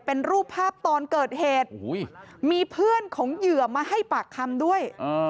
เป็นรูปภาพตอนเกิดเหตุมีเพื่อนของเหยื่อมาให้ปากคำด้วย